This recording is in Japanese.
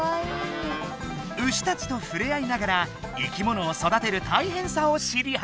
牛たちとふれ合いながら生きものをそだてるたいへんさを知りはじめた。